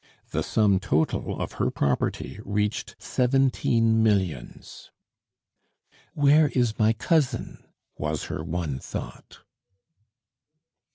The sum total of her property reached seventeen millions. "Where is my cousin?" was her one thought.